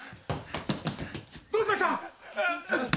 どうしました！？